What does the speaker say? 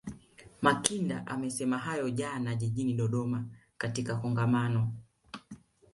Makinda amesema hayo jana jijini Dodoma katika Kongamano